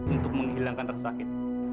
untuk menghilangkan resahin